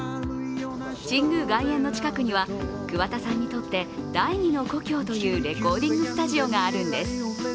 神宮外苑の近くには桑田さんにとって第二の故郷というレコーディングスタジオがあるんです。